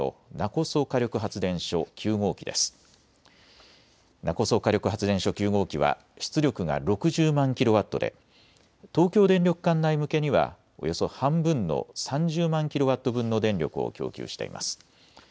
勿来火力発電所９号機は出力が６０万キロワットで東京電力管内向けにはおよそ半分の３０万キロワット分の電力を供給しています。